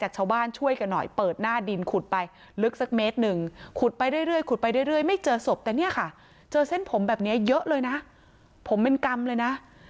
เจอศพแต่เจอเส้นผมแบบนี้เยอะเลยนะผมเป็นกรรมเลยนะ